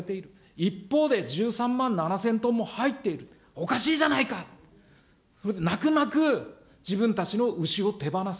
一方で１３万７０００トンも入っている、おかしいじゃないか、泣く泣く自分たちの牛を手放す。